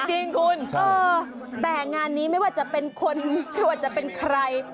จริงคุณแต่งานนี้ไม่ว่าจะเป็นคนไม่ว่าจะเป็นใคร